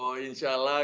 oh insya allah